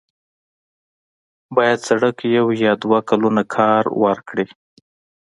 باید سړک یو یا دوه کلونه کار ورکړي.